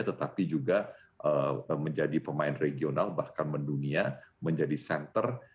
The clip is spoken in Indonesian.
tetapi juga menjadi pemain regional bahkan mendunia menjadi center